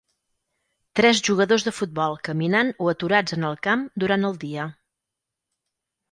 Tres jugadors de futbol caminant o aturats en el camp durant el dia.